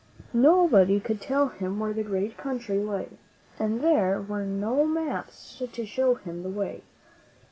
Nobody could tell him where the great country lay, and there were no maps to show him the way.